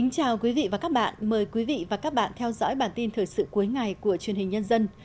chào mừng quý vị đến với bản tin thời sự cuối ngày của truyền hình nhân dân